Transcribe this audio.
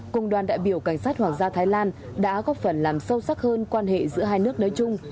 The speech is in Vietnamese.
cùng đoàn đại biểu cảnh sát hoàng gia thái lan đã góp phần làm sâu sắc hơn quan hệ giữa hai nước nói chung